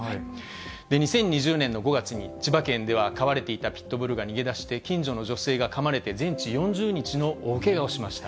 ２０２０年の５月に、千葉県では飼われていたピットブルが逃げ出して、近所の女性がかまれて、全治４０日の大けがをしました。